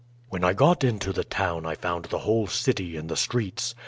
"When I got into the town I found the whole city in the streets.